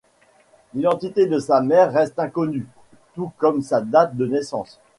L'identité de sa mère reste inconnue, tout comme sa date de naissance.